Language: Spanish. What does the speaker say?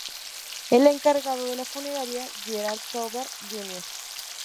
El encargado de la funeraria Gerald Tovar, Jr.